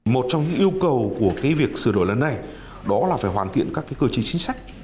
một trong những yêu cầu của việc sửa đổi lần này đó là phải hoàn thiện các cơ chế chính sách